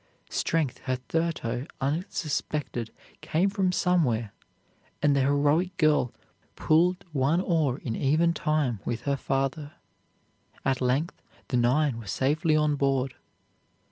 Strength hitherto unsuspected came from somewhere, and the heroic girl pulled one oar in even time with her father. At length the nine were safely on board.